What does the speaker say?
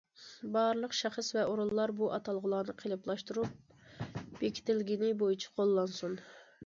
بارلىق شەخس ۋە ئورۇنلار بۇ ئاتالغۇلارنى قېلىپلاشتۇرۇپ بېكىتىلگىنى بويىچە قوللانسۇن.